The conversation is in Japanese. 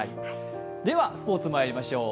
では、スポーツにまいりましょう。